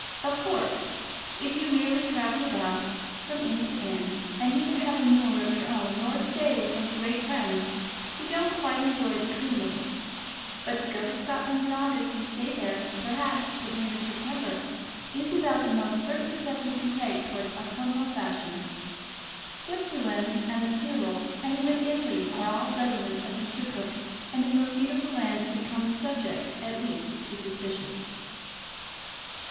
Of course, if you merely travel about from inn to inn, and neither have a moor of your own nor stay with any great friend, you don't quite enjoy the cream of it; but to go to Scotland in August and stay there, perhaps, till the end of September, is about the most certain step you can take towards autumnal fashion. Switzerland and the Tyrol, and even Italy, are all redolent of Mr. Cook, and in those beautiful lands you become subject at least to suspicion.